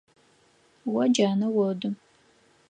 О джанэ оды.